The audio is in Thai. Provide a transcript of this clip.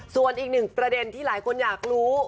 ส่วนอีกหนึ่งประเด็นที่หลายคนอยากรู้